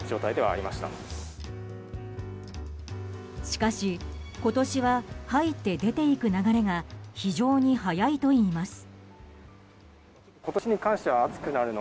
しかし、今年は入って出ていく流れが非常に速いといいます。